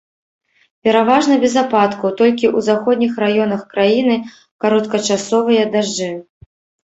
Пераважна без ападкаў, толькі ў заходніх раёнах краіны кароткачасовыя дажджы.